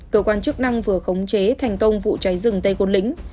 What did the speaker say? cơ quan chức năng vừa khống chế thành công vụ cháy rừng tây côn lĩnh